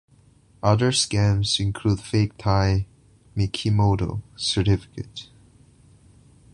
Other scams include fake Thai Mikimoto certificates.